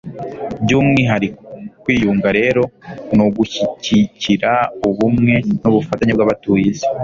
by'umwihariko. kwiyunga rero, ni ugushyigikira ubumwe n'ubufatanye bw'abatuye isi mu